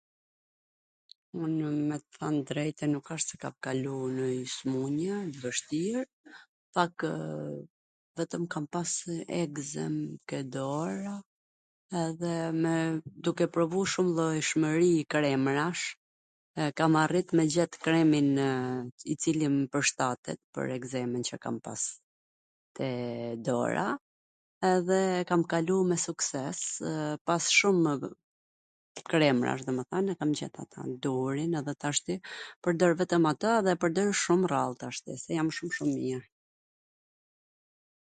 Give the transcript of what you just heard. Unw me t thwn t drejtwn nuk wsht se kam kalu nonjw smun-je t vwshtir, pakw... vetwm kam pas ekzem ke dora edhe me.. duke provu shumllojshmwri kremrash kam arrit me gjet kreminw i cili mw pwrshtatet pwr ekzemwn qw kam pas te dora, edhe e kam kalu me suksesw pas shumw kremrash, domethan e kam gjet atw t duhurin edhe tashti pwrdor vetwm atw dhe e pwrdor shum rrall tashti, se jam shum shum mir.